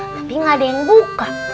tapi gak ada yang buka